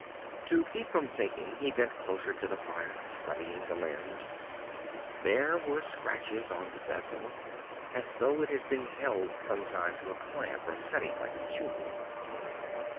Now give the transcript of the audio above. To keep from thinking, he bent closer to the fire, studying the lens. There were scratches on the bezel, as though it had been held sometime in a clamp, or setting, like a jewel.